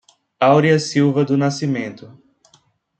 Aurea Silva do Nascimento